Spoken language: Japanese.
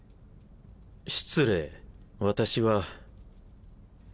失礼私は。